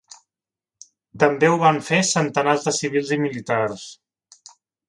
També ho van fer centenars de civils i militars.